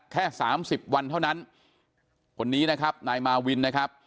แค่สามสิบวันเท่านั้นคนนี้นะครับนายมาวินนะครับ